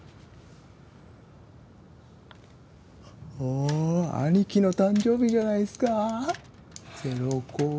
おお兄貴の誕生日じゃないですか。